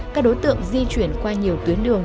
các đối tượng di chuyển qua nhiều tuyến đường